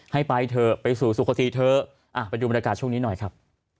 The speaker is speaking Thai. ให้ไปเถอะไปสู่สุขติเถอะไปดูบรรยากาศช่วงนี้หน่อยครับ